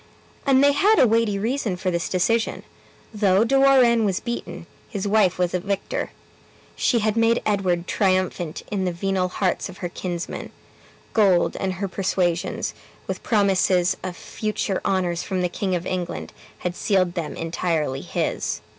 And they had a weighty reason for this decision: though De Warenne was beaten, his wife was a victor. She had made Edward triumphant in the venal hearts of her kinsmen; gold and her persuasions, with promises of future honors from the King of England, had sealed them entirely his.